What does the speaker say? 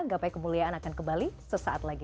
gapai kemuliaan akan kembali sesaat lagi